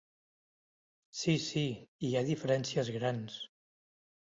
Sí, sí, hi ha diferències grans.